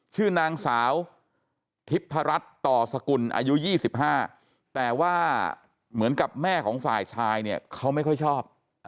ชื่อนางสาวทิพรัชต่อสกุลอายุ๒๕แต่ว่าเหมือนกับแม่ของฝ่ายชายเนี่ยเขาไม่ค่อยชอบ